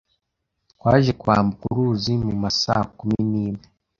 Twaje kwambuka uruzi mu ma saa kumi n’imwe